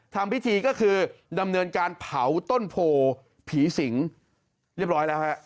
ทำพิธีก็คือดำเนินการเผาต้นโพผีสิงเรียบร้อยแล้วฮะ